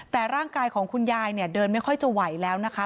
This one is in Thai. แต่ร่างกายของคุณยายเนี่ยเดินไม่ค่อยจะไหวแล้วนะคะ